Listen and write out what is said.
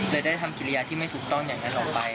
ได้ทำกิริยาที่ไม่ถูกต้องอย่างนั้นออกไป